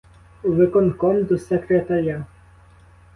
У виконком, до секретаря.